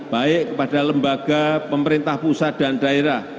baik kepada lembaga pemerintah pusat dan daerah